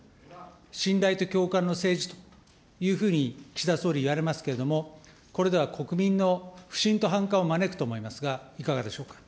信頼と共感の政治というふうに岸田総理言われますけれども、これでは国民の不信と反感を招くと思いますが、いかがでしょうか。